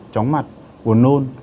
chóng mặt quần nôn